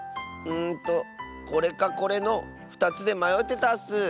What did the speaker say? うんとこれかこれの２つでまよってたッス。